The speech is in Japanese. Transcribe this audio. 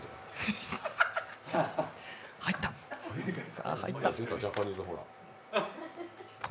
さあ入った。